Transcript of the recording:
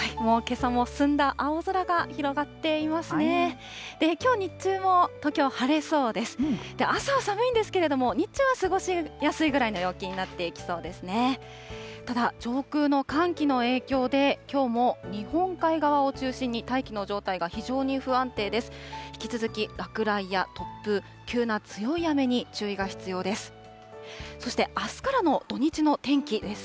ただ上空の寒気の影響で、きょうも日本海側を中心に大気の状態が非常に不安定です。